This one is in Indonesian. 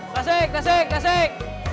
dasik dasik dasik